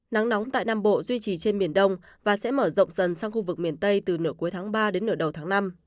nắng nóng tại nam bộ duy trì trên miền đông và sẽ mở rộng dần sang khu vực miền tây từ nửa cuối tháng ba đến nửa đầu tháng năm